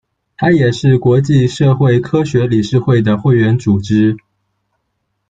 它也是国际社会科学理事会的会员组织。